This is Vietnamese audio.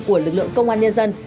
của lực lượng công an nhân dân